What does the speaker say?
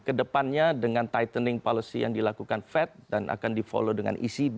ke depannya dengan tightening policy yang dilakukan fed dan akan di follow dengan ecb